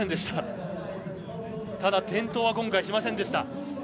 ただ、転倒は今回しませんでした。